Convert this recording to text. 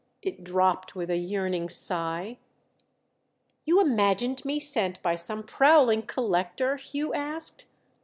It dropped with a yearning sigh. "You imagined me sent by some prowling collector?" Hugh asked.